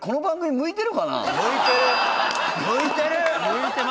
向いてる！